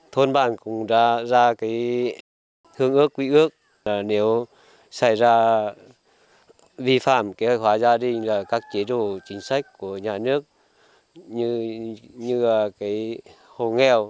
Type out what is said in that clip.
từ việc đồng thuận ký cam kết thực hiện kế hoạch hóa gia đình của các cặp vợ chồng